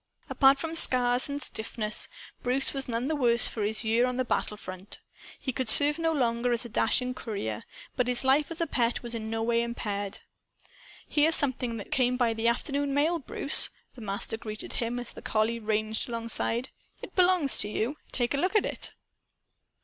Apart from scars and stiffness, Bruce was none the worse for his year on the battle front. He could serve no longer as a dashing courier. But his life as a pet was in no way impaired. "Here's something that came by the afternoon mail, Bruce," the Master greeted him, as the collie ranged alongside. "It belongs to you. Take a look at it."